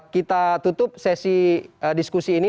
kita tutup sesi diskusi ini